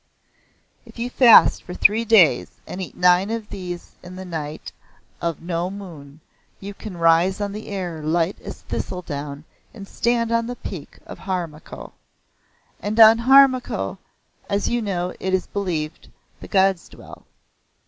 "If you fast for three days and eat nine of these in the Night of No Moon, you can rise on the air light as thistledown and stand on the peak of Haramoukh. And on Haramoukh, as you know it is believed, the gods dwell.